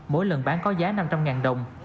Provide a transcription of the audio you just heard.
mỗi lần bán có giá năm trăm linh đồng